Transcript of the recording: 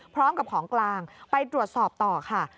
พร้อมกับของกลางไปตรวจสอบต่อค่ะ